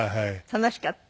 楽しかった？